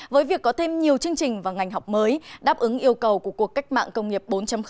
với việc có thêm nhiều chương trình và ngành học mới đáp ứng yêu cầu của cuộc cách mạng công nghiệp bốn